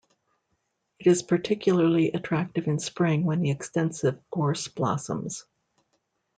It is particularly attractive in spring when the extensive gorse blossoms.